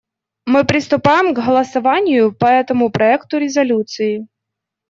Мы приступаем к голосованию по этому проекту резолюции.